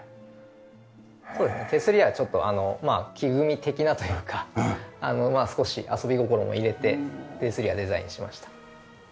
手すりはちょっとまあ木組み的なというか少し遊び心も入れて手すりはデザインしました。